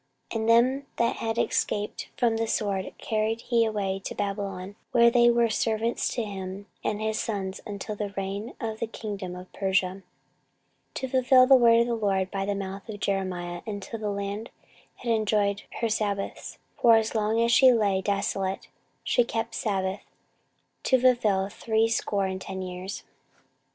14:036:020 And them that had escaped from the sword carried he away to Babylon; where they were servants to him and his sons until the reign of the kingdom of Persia: 14:036:021 To fulfil the word of the LORD by the mouth of Jeremiah, until the land had enjoyed her sabbaths: for as long as she lay desolate she kept sabbath, to fulfil threescore and ten years.